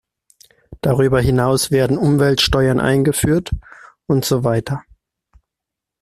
Darüber hinaus werden Umweltsteuern eingeführt, und so weiter.